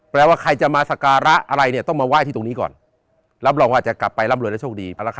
ว่าใครจะมาสการะอะไรเนี่ยต้องมาไหว้ที่ตรงนี้ก่อนรับรองว่าจะกลับไปร่ำรวยและโชคดี